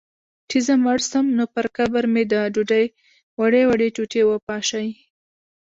چي زه مړ سم، نو پر قبر مي د ډوډۍ وړې وړې ټوټې وپاشی